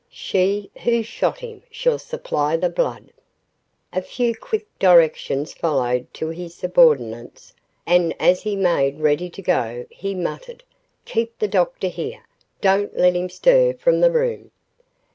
"SHE WHO SHOT HIM SHALL SUPPLY THE BLOOD." ........ A few quick directions followed to his subordinates, and as he made ready to go, he muttered, "Keep the doctor here. Don't let him stir from the room."